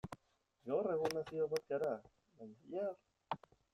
Gaur egun nazio bat gara, baina bihar?